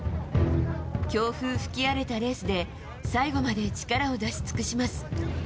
強風吹き荒れたレースで最後まで力を出し尽くします。